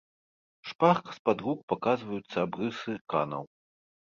Шпарка з-пад рук паказваюцца абрысы канаў.